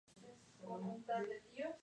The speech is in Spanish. Para ello se creó una página web del centro.